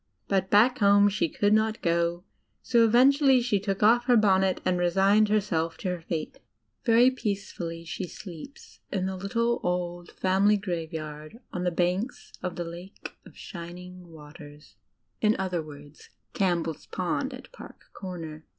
But back home she could not go, so eventually she took off her bonnet and resigned herself to her fate. Very peacefully she sleeps in the litde, old, family graveyard on the banks of the "Lake of Shining Waters" — in other words, Campbell's Pond at Park Comer.